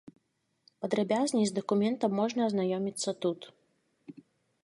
Падрабязней з дакументам можна азнаёміцца тут.